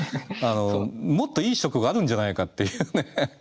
もっといい職があるんじゃないかっていうね。